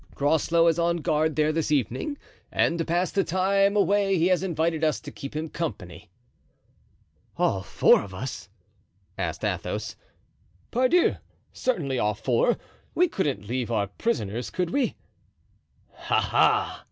Groslow is on guard there this evening, and to pass the time away he has invited us to keep him company." "All four of us?" asked Athos. "Pardieu! certainly, all four; we couldn't leave our prisoners, could we?" "Ah! ah!"